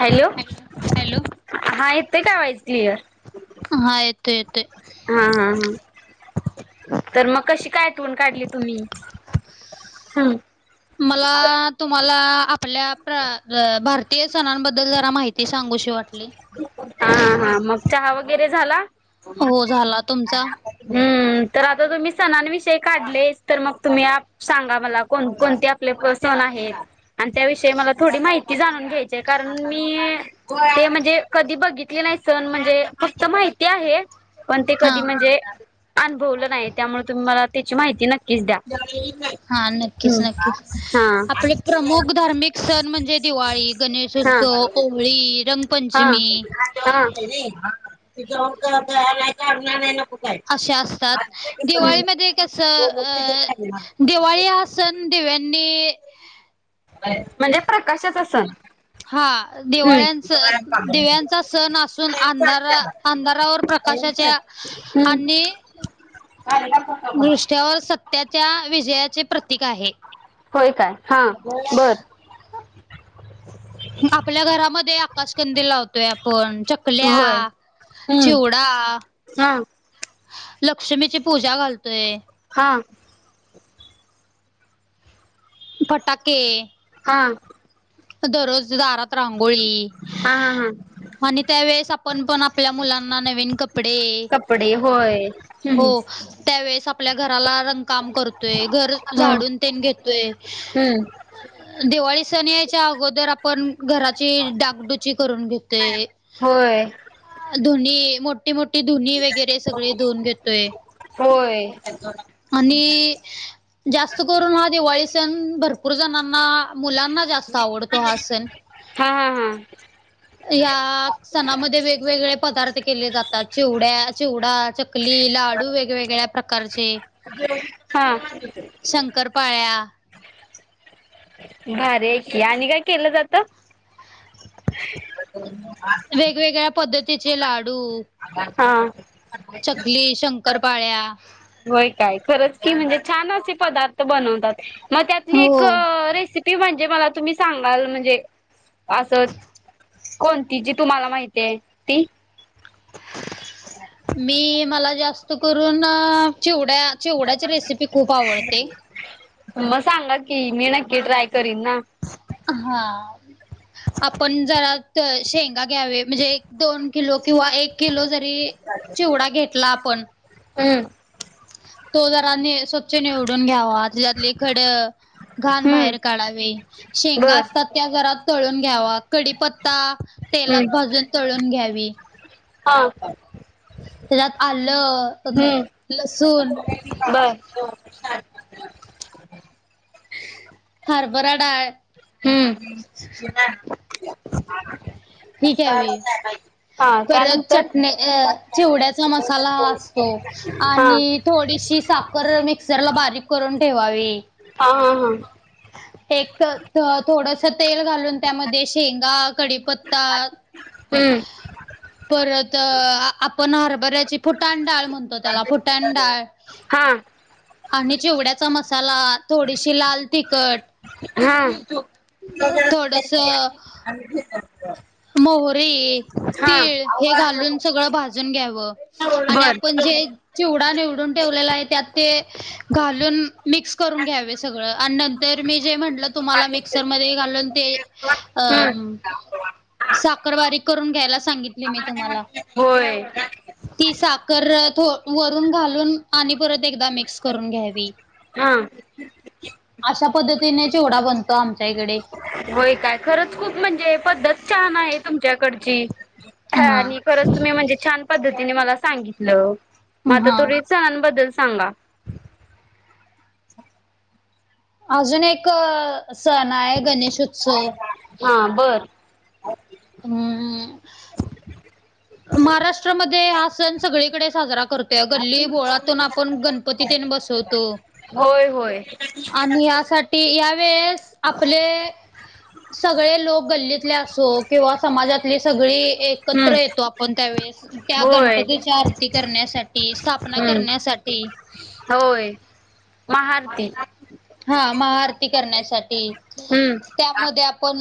Hello हा येतय काय व्हायचं क्लिअर? [unintelligible] हा येतोय येतोय. हा हा हा. तर मग कशी काय आठवून काढली तुम्ही? ह. [unintelligible] मला तुम्हाला आपल्या भारतीय सणांबद्दल जरा माहिती [unintelligible] ते सांगूशी वाट ह हां हा मग चहा वगैरे झाला? [unintelligible] हो झाला तुमचा? हम्म तर आता तुम्ही सणांविषयी काढले तर मग तुम्ही [unintelligible] सांगा मला? कोण कोणते आपले प सण आहेत. [unintelligible] आणि त्याविषयी मला थोडी माहिती जाणून घ्यायची. कारण मी ते म्हणजे [unintelligible] कधी बघितली नाही सण म्हणजे फक्त माहिती आहे पण ते हा कधी म्हणजे [unintelligible] अनुभवलं नाही त्यामुळे तुम्हाला त्याची माहिती नक्कीच द्या [unintelligible] हा नक्कीच हम्म नक्कीच आपले प्रमुख हा धार्मिक सण म्हणजे दिवाळी हा गणेशोत्सव होळी रंग हा तय का ना [unintelligible] [unintelligible] अशे असतात दिवाळीमध्ये कसं अ [unintelligible] दिवाळी हा सन दिव्यानी म्हणजे प्रकाशाच सण. हा हम्म दिवाळ्यांच दिव्यांचा सण असून अंधारा [unintelligible] अंधारावर प्रकाशाच्या आणि ह र प का बला दृष्ट्यावर सत्याच्या विजयाचे प्रतीक आहे होय काय हा बरं आपल्या घरामध्ये आकाशकंदी लावतोय आपण चकल्या होय [unintelligible] हम्म चिवडा हा लक्ष्मीची पूजा घालतोय [unintelligible] हा पटाके हा दररोज दारात रांगोळी हा हा आणि त्यावेेळेस आपण पण आपल्या मुलां न क कपडे होय हम्म आपल्या घरा काम करतोय घर हम्म झाडून घेतय हम्म दिवाळी सण या अगोदर आपण घराची डागडुची करून घेते होय [unintelligible] धोनी मोठी मोठी धुनी वगैरे सगळे धुऊन घेतोय [unintelligible] होय आणि जास्त करून हा दिवाळी सण भरपूर जणांना [unintelligible] मुलांना जास्त आवडतो हा असेल हा हा हा [unintelligible] या सणामध्ये वेगवेगळे पदार्थ केले जातात चिवड्या चिवडा च [unintelligible] चकली लाडू वेगवेगळ्या प्रकारचे हा शंकरपाळ्या भारी की आणि काय केलं जातं वेगवेगळ्या पद्धतीचे लाडू [unintelligible] हा चकली शंकरपाळ्या होय काय खरंच की म्हणजे छान असे पदार्थ बनवतात मग त्यातली एक हो. रेसिपी ती म्हणजे मला तुम्ही सांगाल म्हणजे असं [unintelligible] कोणती जी तुम्हाला माहिती आहे ती मी मला जास्त करून चिवड्या [unintelligible] चीवडाची रेसिपी खूप आवडते मग सांगलं की मी नक्की ट्राय करीन ना [unintelligible] हा आपण जरा शेंगा घ्यावे म्हणजे दोन किलो किंवा एक [unintelligible] केलो जरी चिवडा घेतला आपण हम्म तो जराने निवडून घ्यावा त्यात खड घण हम्म बाहेर काढावे शेंगा बर असतात त्या घरात तळून घ्यावा कडीपत्ता हम्म तेलात भाजून तळून घ्यावी [unintelligible] हा का त्याच्यात आलं लसूण [unintelligible] बर चाल हरभराडाय हम्म [unintelligible] हठीक्यावी हा परत त्यानंतर चटणी चिवड्याचा मसाला हा आणि थोडीशी साखर मिक्सर ला बारीक करून ठेवावी [unintelligible] हा हा हां एक थोडस तेल घालून त्यामध्ये शेंगा कडीपत्ता हम्म परत आपण हरभऱ्याची फोटाण डाळ म्हणतो [unintelligible] त त्याला फुटंडा हा आणि चिवड्याचा मसाला थोडीशी लाल तिखट [unintelligible] हा अ थोडस मोहरीे [unintelligible] हा हे घालून... सगळं भाजून घ्यावं... आणि बर आपण जे चिवडा निवडून ठेवलेला आहे... त्यात ते... घालून मिक्स करून घ्यावे सगळं आणि नं तर मी जे म्हटलं तुम्हाला... मिक्सरमध्ये घालून... ते... अ हम्म साखर बारीक करून घ्यायला सांगितली मी तुम्हाला होय ती... साखर वरून घालून... आणि परत एकदा मिक्स करून घ्यावी हा अशा पद्धतीने चिवढा बनतो आमच्या इकडे होय काय.... खरंच खूप म्हणजे... पद्धत छान आहे तुमच्याकडची ह... हा. आणि खरंच तुम्ही म्हणजे... छान पद्धतीने मला सांगितलं... मग आता हा तुरी सणांबद्दल सांगा अजून एक सण आहे... गणेश उत्सव हा बरं ह्म्म्म [inaudible] महाराष्ट्रामध्ये हा सण सगळीकडे साजरा कर गल्ली बोळातून... आपण गणपती तेन बसवतो होय होय आणि... यासाठी... या वेळेस... आपले सगळे लोक... गल्लीतले असो... किंवा समाजातली सगळी... हम्म एकत्र येतो आपण कोणत्या वेळेस... त्या होय गणपतीच्या आरती करण्यासाठी... स्थापना हम्म करण्यासाठी होय... महाआरती हा... महाआरती करण्यासाठी... हम्म त्यामध्ये आपण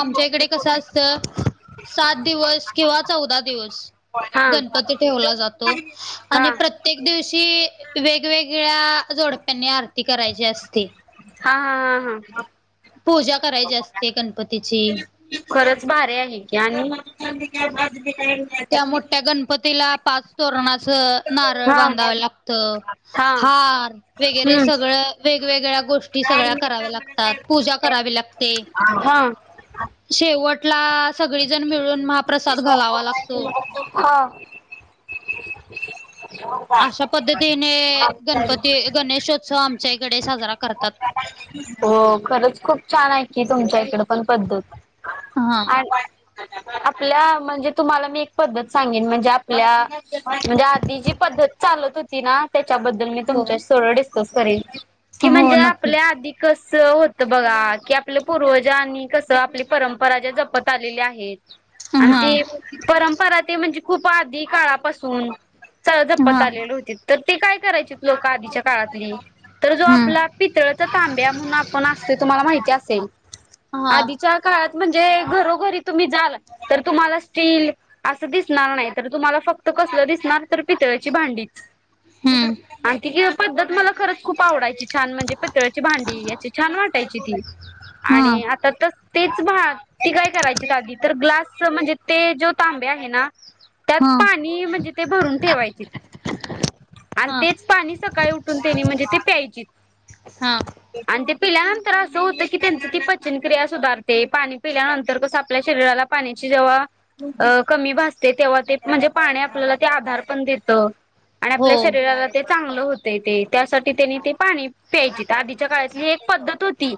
आमच्या इकडे कसं असतं... सात दिवस किंवा चौदा दिवस हा गणपती ठेवला जातो... हा हा आणि प्रत्य प्रत्येक दिवशी... वेगवेगळ्या जोडप्यांनी... आरती करायची असती हाहा... हा हा पूजा... करायची असते गणपती खरंच... भारी आहे की... आणि त्या मोठ्या गणपतीला... पाच तोरणाचं नारळ हा बांधावं लागतं हा हार... वगैरे हम्म सगळं वेगवेगळ्या गोष्टी... सगळ्या कराव्या लागतात... पूजा करावी लाग हा शेवटला सगळीजण मिळून महाप्रसाद घालावा लागतो हा अशा पद्धतीने, गणपती... गणेशोत्सव आमच्या इकडे साजरा करतात हो... खरंच... खूप छान हाय की, तुमच्या इकडं पण पद्धत हा बाय बाय... हं हं आपल्या म्हणजे... तुम्हाला मी एक पद्धत सांगेन... म्हणजे, आपल्या... म्हणजे आधी जी पद्धत चालत होती ना... त्याच्याबद्दल मी हो तुमच्याशी थोडं डिस्कस करेन... की हो म्हणजे नक्कीच आपल्या आधी कसं होत बघा... की आपलं पूर्वजं आणि कसं आपली परंपरा... ज्या जपत आलेली आहेत हा आणि... ते परंपरा... ते म्हणजे... खूप आधी काळापासून च... जपत हा आलेली होतीत... तर ते काय करायची लोकं... आधीच्या काळातली... तर जो हम्म आपला पितळचा तांब्या म्हणून.. आपण असतो... तुम्हाला माहिती असेल... हा आधीच्या काळात म्हणजे... घरोघरी तुम्ही जाल... तर तुम्हाला स्टील असं दिसणार नाही.. तर तुम्हाला फक्त... कसलं दिसणार तर... पितळ्याची भांडीच हम्म आणखी हय पद्धत... मला खरंच खूप आवडायची छान म्हणजे.. पितळ्याची भांडी... याची छान वाटायची ती... हा आणि आता... तर तेच भाग ती काय करायचीत आधी... तर ग्लास... म्हणजे ते... जो तांब्या आहे ना त्यात हा पाणी... म्हणजे ते भरून ठेवायची आणि हा तेच पाणी... सकाळी उठून त्यांनी... म्हणजे ते प्यायचीत हा आणि ते पिल्यानंतर असं होतं की त्यांच ती पचनक्रिया सुधारते पाणी पिल्यानंतर कस आपल्या शरीराला पाण्याची जेव अ कमी भासते तेव्हा ते म्हणजे पाणी आपल्याला ते आधार पण देत. आणि हो आपल्या शरीराला ते चांगलं होतय ते त्यासाठी त्यांनी ते पाणी प्यायची आधीच्या काळातली एक पद्धत होती.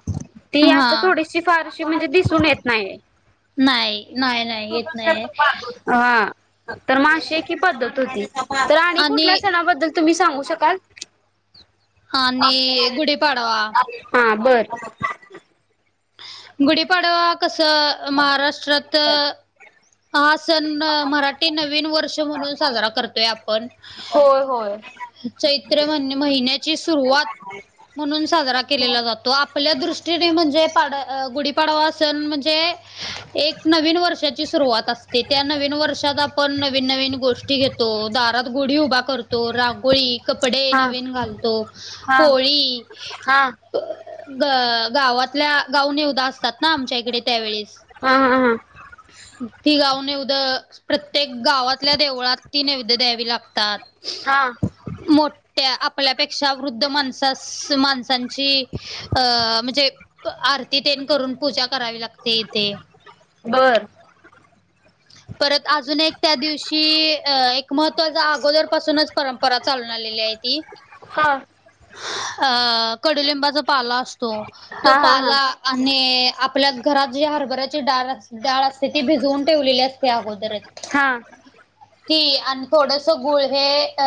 ती हा आता थोडीशी फारशी म्हणजे दिसून येत नाहीये. नाही, नाही नाही येत नाही आहे. हा तर म अशी पद्धत होती तर आणि कुठल्या सणाबद्दल तुम्ही सांगू शकाल आणि गुढीपाडवा हा बरं. गुढीपाडवा कसं महाराष्ट्रात हा सण मराठी नवीन वर्ष म्हणून साजरा करतोय आपण होय होय चैत्र म्ह महिन्याची सुरुवात म्हणून साजरा केलेला जातो आपल्या दृष्टीने म्हणजे पाड गुढीपाडवा सण म्हणजे एक नवीन वर्षाची सुरवात असते त्या नवीन वर्षात आपण नवीन-नवीन गोष्टी घेतो दारात गुढी उभा करतो. रागोळी, कपडे हा नवीन घालतो हा होळी. हा हा ग गावातल्या गाऊ न ये उदा्या असतात ना आमच्या इकडे त्यावेेळेस. ह हां हां. ती गाव निवद प्रत्येक गावातल्या देवळात ती निवद द्यावी लागतात. हा. मोठ्या आपल्यापेक्षा वृद्ध माणसा-माणसांची अ म्हणजे आरती तेन करून पूजा करावी लागते इथे. बर. परत अजून एक त्या दिवशी अ एक महत्त्वाचा अगोदर पाासूनच परंपरा चालून आलेली आहे ती. हा. अ कडुलिंबाचा पाला असतो तो, हा तो हा हा पाला आणि आपल्या घरात जे हरभऱ्याची डाळ डाळ असते ती भिजवून ठेवलेली असते अगोदरच. हा [inaudible] ती आणि थोडस गुळ हे अ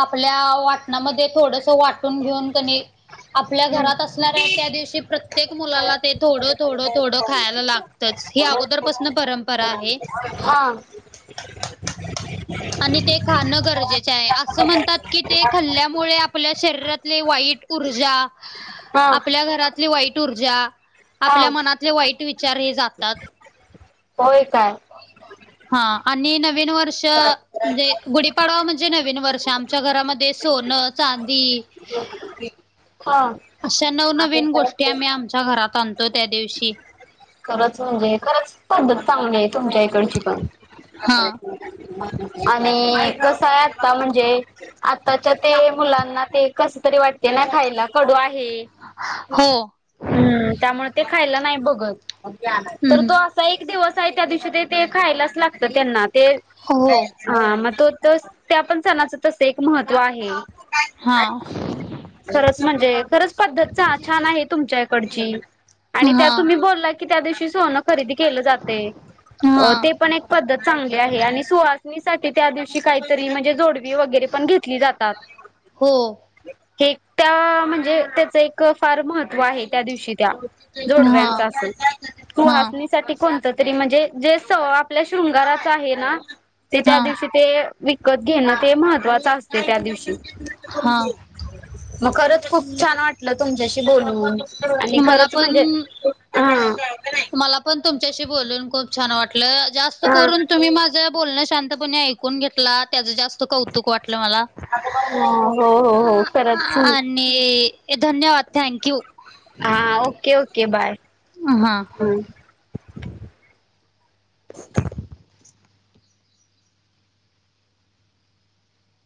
आपल्या वाट थोडस वाटून घेऊन क नी आपल्या हम्म घरात असणाऱ त्या दिवशी प्रत प्रत्येक मुलाला ते थोडं, थोडं, थोडं खायला लागतंच ही अगोदरपासन परंपरा आहे. हा. [unintelligible] आणि ते खाणं गरजेचं आहे असं म्हणतात की ते खल्ल्यामुळे आपल्या शरीातले वाईट ऊर्जा हा आपल्या घरातली वाईट ऊर्जा, हा आपल्या मनातले वाईट विचार हे जातात. होय काय? हा, आणि नवीन वर्ष म्हणजे गुढीपाडवा म्हणजे नवीन वर्ष आमच्या घरामध्ये सोनं, चांदी हा. अशा आणि नवनवीन काय गोष्टी आम्ही आमच्या घरात आणतो त्या दिवशी. खरंच म्हणजे खरंच पद्धत चांगली तुमच्या इकडची पण. हा आणि कस आहे आता म्हणजे आताच्या ते मुलांना ते कस तरी वाटते ना खायला कडू आहे. [inaudible] हो हम्म त्यामुळे ते खायला नाही बघत, तर हम्म तो एक दिवस आहे त्या दिवशी ते ते खायलाच लागत त्यांना ते हो हा मग तो त्या पण सणाच तस एक महत्त्व आहे. हा. खरंच म्हणजे खरंच पद्धत छान आहे तुमच्या इकडची. आणि त्या हा तुम्ही बोलला की त्या दिवशी सोनं खरेदी केलं जाते हा ते [unintelligible] पण एक पद्धत चांगली आहे आणि सुहासणीसाठी त्या दिवशी काहीतरी म्हणजे जोडवी वगैरे पण घेतली जातात हो हे त्या म्हणजे त्याचं एक फार महत्व आहे त्या दिवशी त्या [unintelligible] हा जोडव्यांचा अस हा तुहास ण तरी म्हणजे जे आपल्या शंगारच आहे ना ते हा त्या दिवशी [unintelligible] ते विकत घेणं ते महत्वाचं असते त्या दिवशी हा [unintelligible] मग खरंच खूप छान वाटलं तुमच्याशी बोलूनून [unintelligible] आणि मला खरंच पण म्हणजे हा [unintelligible] मला पण तुमच्याशी ब खूप छान वाट जास्त हा करून तमही [unintelligible] बोलणं शांतपणे ऐकून घेतला त्याचं जास्त कौतुक वाटलं मला [unintelligible] हो हो आ- हो खतच आणि धन्यवाद थँक्यू हा ओके ओके बाय अ हा ह